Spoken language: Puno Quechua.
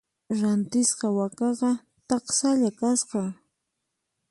Rantisqa wakaqa taksalla kasqa.